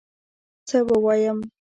څه ووایم